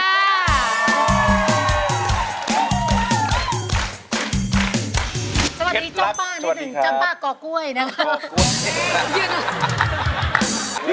จ้ะบ้าก่อก้วยนะครับ